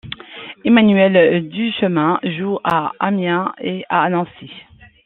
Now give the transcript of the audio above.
Emmanuel Duchemin joue à Amiens et à Nancy.